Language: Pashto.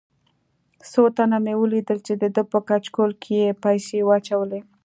څو تنه مې ولیدل چې دده په کچکول کې یې پیسې واچولې.